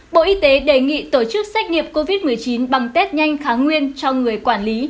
bộ y tế đề nghị tổ chức xét nghiệm covid một mươi chín bằng test nhanh kháng nguyên cho người quản lý